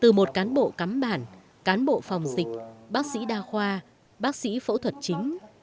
từ một cán bộ cắm bản cán bộ phòng dịch bác sĩ đa khoa bác sĩ phẫu thuật chính